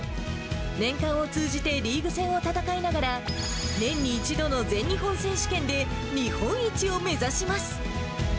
年間を通じてリーグ戦を戦いながら、年に１度の全日本選手権で日本一を目指します。